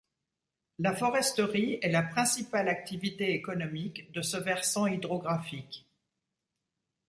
La foresterie est la principale activité économique de ce versant hydrographique.